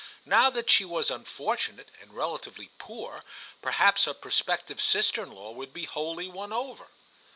Now that she was unfortunate and relatively poor, perhaps her prospective sister in law would be wholly won over.